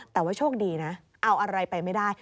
แต่ว่าโชคดีนะเอาอะไรไปไม่ได้